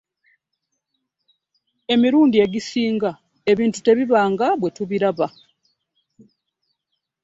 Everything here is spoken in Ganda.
Emirundi egisinga ebintu tebiba nga bwe tubiraba.